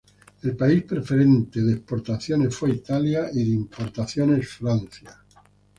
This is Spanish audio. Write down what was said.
El país preferente de exportaciones fue Italia y de importaciones, Francia.